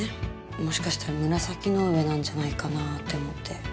もしかしたら紫の上なんじゃないかなって思って。